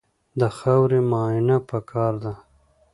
د خاورې معاینه پکار ده.